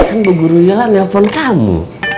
kan bu guru yola nelfon kamu